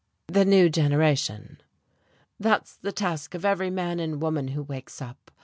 "The new generation." "That's the task of every man and woman who wakes up.